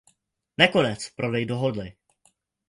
Nakonec prodej dohodli.